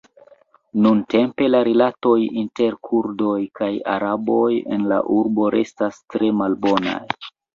Nuntempe la rilatoj inter Kurdoj kaj Araboj en la urbo restas tre malbonaj.